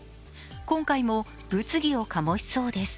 今回も物議を醸しそうです。